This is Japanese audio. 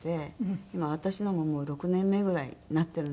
今私のももう６年目ぐらいになってるんですね。